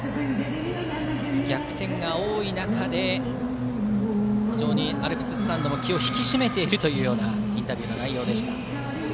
逆転が多い中で非常にアルプススタンドも気を引き締めているというインタビュー内容でした。